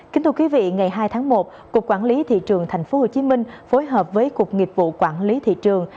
kính thưa quý vị ngày hai tháng một cục quản lý thị trường tp hcm phối hợp với cục nghiệp vụ quản lý thị trường